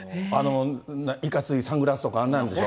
いかついサングラスとかあんなんでしょ。